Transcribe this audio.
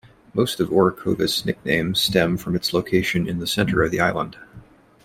Most of Orocovis nicknames stem from its location in the center of the island.